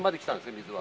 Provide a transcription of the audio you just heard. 水は。